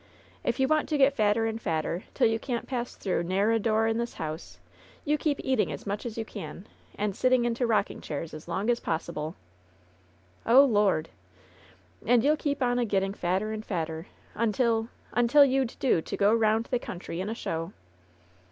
"If you want to get fatter and fatter, till you can't pass through ne'er a door in this house, you keep eating as much as you can, and sitting into rocking diairs as long as possible !" "Oh, Lord!" "And you'll keep on a getting fatter and fatter, until — ^until you'd do to go round the country in a show."